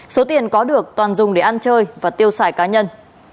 số tiền có được toàn dùng để ăn chơi và tiêu xài cá nhân